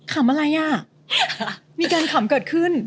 ขำอะไรอ่ะมีการขำเกิดขึ้น